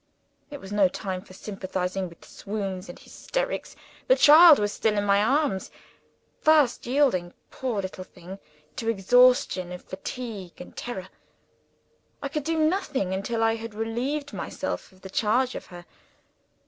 It was no time for sympathizing with swoons and hysterics. The child was still in my arms; fast yielding, poor little thing, to the exhaustion of fatigue and terror. I could do nothing until I had relieved myself of the charge of her.